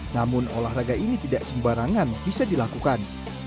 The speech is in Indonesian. namun olahraga ini tidak sembarangan bisa dilakukan